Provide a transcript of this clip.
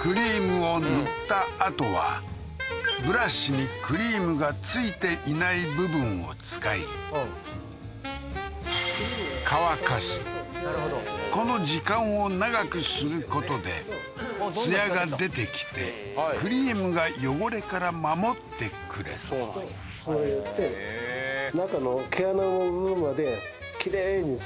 クリームを塗ったあとはブラシにクリームがついていない部分を使い乾かすこの時間を長くすることで艶が出てきてクリームが汚れから守ってくれるそうなんやへえーへえーいいね